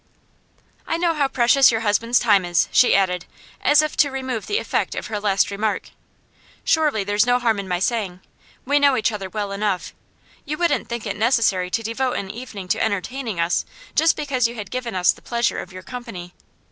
'I know how precious your husband's time is,' she added, as if to remove the effect of her last remark. 'Surely, there's no harm in my saying we know each other well enough you wouldn't think it necessary to devote an evening to entertaining us just because you had given us the pleasure of your company.